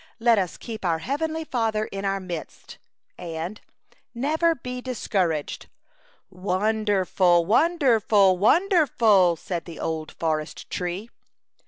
' Let us keep our Heavenly Father in our midst/ and, * Never be « discouraged/ " "Wonderful, wonderful, wonderful," said the old forest tree.